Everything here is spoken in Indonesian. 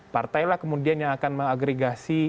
partailah kemudian yang akan mengagregasi